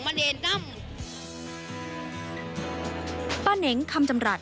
ป้าเน็งคำจำระ